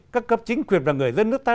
các cấp chính quyền và người dân nước ta